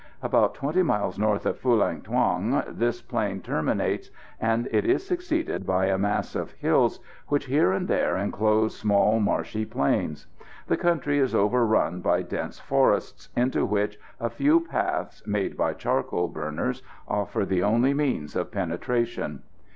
About 20 miles north of Phulang Thuong this plain terminates, and it is succeeded by a mass of hills which here and there enclose small marshy plains. The country is overrun by dense forests, into which a few paths, made by charcoal burners, offer the only means of penetration.